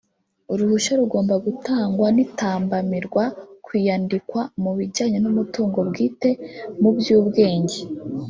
uruhushya rugomba gutangwa n’itambamirwa ku iyandikwa mu bijyanye n’umutungo bwite mu by’ubwenge